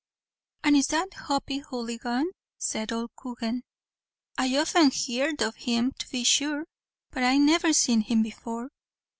"And is that Hoppy Houligan?" said old Coogan, "I often heerd of him, to be sure, but I never seen him before."